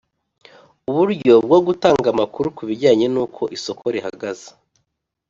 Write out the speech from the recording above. uburyo bwo gutanga amakuru ku bijyanye n'uko isoko rihagaze